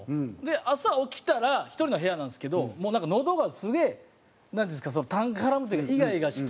朝起きたら１人の部屋なんですけどもうなんかのどがすげえなんていうんですかそのたん絡むというかイガイガして。